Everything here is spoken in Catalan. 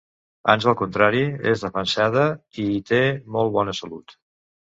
Ans al contrari, és defensada i hi té molt bona salut.